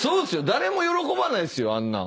誰も喜ばないっすよあんなん。